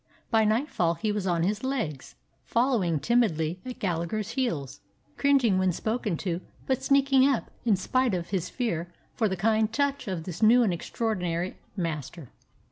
By nightfall he was on his legs, fol lowing timidly at Gallagher's heels, cringing when spoken to, but sneaking up, in spite of his fear, for the kind touch of this new and extraordinary master.